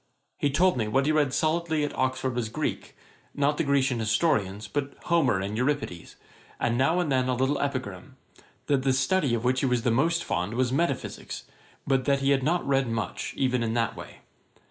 He told me what he read solidly at Oxford was Greek; not the Grecian historians, but Homer and Euripides, and now and then a little Epigram; that the study of which he was the most fond was Metaphysicks, but he had not read much, even in that way.